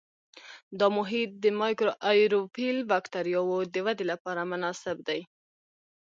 دا محیط د مایکروآیروفیل بکټریاوو د ودې لپاره مناسب دی.